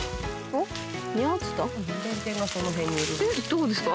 どこですか？